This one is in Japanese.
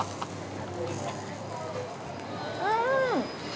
うん！